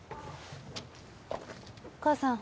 お母さん。